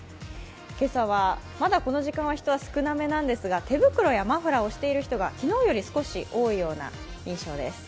今朝はまだこの時間は人は少なめなんですが手袋やマフラーをしている人が機能より多いようです。